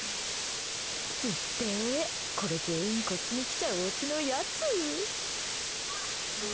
つって、これ全員こっちに来ちゃうオチのやつ。